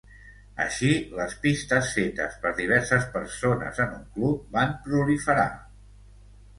Així, les pistes fetes per diverses persones en un club van proliferar.